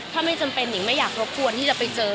ท่านไม่อยากรบกวนที่จะไปเจอ